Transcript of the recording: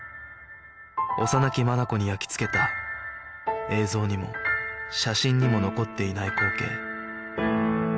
幼き眼に焼き付けた映像にも写真にも残っていない光景